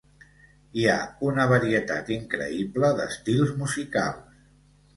Hi ha una varietat increïble d'estils musicals.